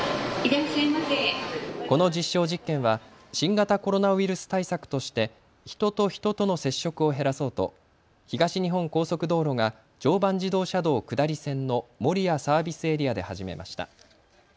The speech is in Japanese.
この実証実験は新型コロナウイルス対策として人と人との接触を減らそうと東日本高速道路が常磐自動車道下り線の守谷サービスエリアで始めました。